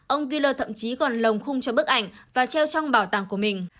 ông giller thậm chí còn lồng khung cho bức ảnh và treo trong bảo tàng của mình